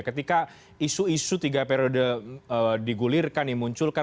ketika isu isu tiga periode digulirkan dimunculkan